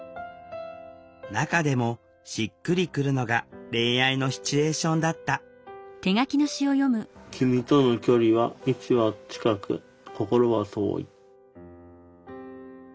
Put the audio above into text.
中でもしっくりくるのが恋愛のシチュエーションだった「君との距離は位置は近く心は遠い」。